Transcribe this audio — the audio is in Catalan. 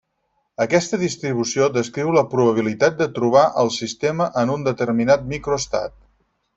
Aquesta distribució descriu la probabilitat de trobar el sistema en un determinat microestat.